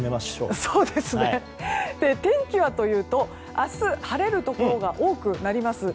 天気はというと明日、晴れるところが多くなります。